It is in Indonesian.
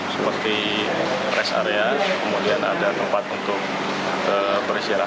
seperti rest area kemudian ada tempat untuk beristirahat